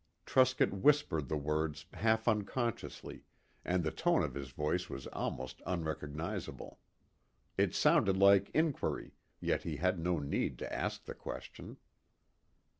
Truscott whispered the words half unconsciously, and the tone of his voice was almost unrecognizable. It sounded like inquiry, yet he had no need to ask the question.